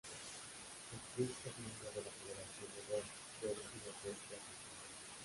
El club es miembro de la Federación de Golf del Nordeste Argentino.